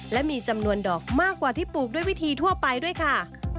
และมีจำนวนดอกมากกว่าที่ปลูกด้วยวิธีทั่วไปด้วยค่ะ